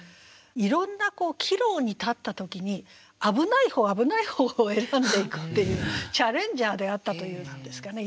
いろんな岐路に立った時に危ない方危ない方を選んでいくというチャレンジャーであったというんですかね